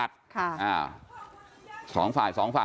พี่ก็ต่อยพ่อผม